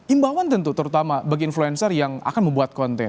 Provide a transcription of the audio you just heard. imbauan tentu terutama bagi influencer yang akan membuat konten